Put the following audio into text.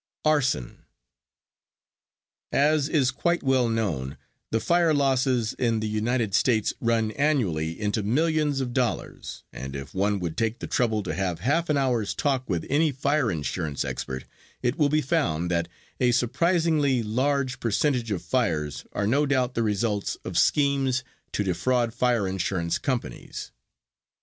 ARSON As is quite well known, the fire losses in the United States run annually into millions of dollars, and if one would take the trouble to have half an hour's talk with any fire insurance expert it will be found that a surprisingly large percentage of fires are no doubt the results of schemes to defraud fire insurance companies.